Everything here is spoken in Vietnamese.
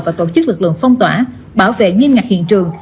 và tổ chức lực lượng phong tỏa bảo vệ nghiêm ngặt hiện trường